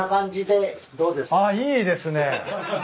あっいいですね。